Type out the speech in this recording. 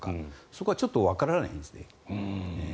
そこはちょっとわからないんですね。